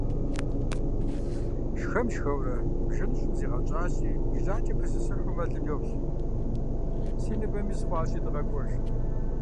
Шхэм–шхэурэ, бжэныжьым зигъэнщӀащи и жьакӀэр пысысыхьу мэлым йолъэӀу: - Си ныбэм из хуащ, дыгъэкӀуэж.